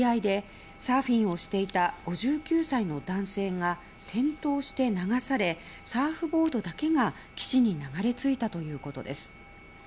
鳥羽海上保安部などによりますと１００ｍ沖合でサーフィンをしていた５９歳の男性が転倒して流されサーフボードだけが岸に流れ着いたということです。